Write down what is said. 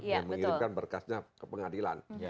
yang mengirimkan berkasnya ke pengadilan